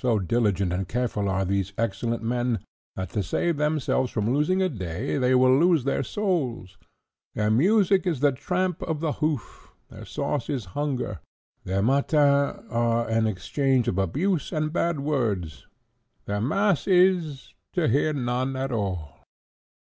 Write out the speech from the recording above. So diligent and careful are these excellent men, that to save themselves from losing a day, they will lose their souls. Their music is the tramp of a hoof; their sauce is hunger; their matins are an exchange of abuse and bad words; their mass is—to hear none at all."